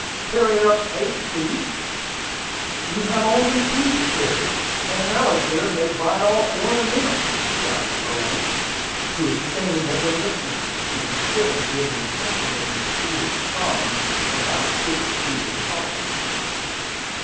"Carry up eight feet! You have only two to carry, and an alligator may bite off one of them," shouted Owen, who it seemed had been listening to me, instead of giving attention to Miss Edith's charms, about which she was talking.